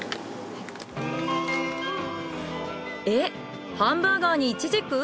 えっハンバーガーにイチジク！？